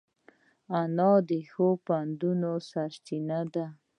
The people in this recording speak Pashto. انا د ښو پندونو سرچینه ده